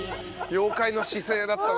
妖怪の姿勢だったな。